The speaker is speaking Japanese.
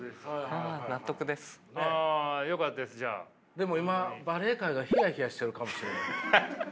でも今バレエ界がヒヤヒヤしてるかもしれない。